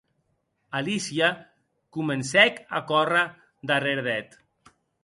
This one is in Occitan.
Alícia comencèc a córrer darrèr d'eth.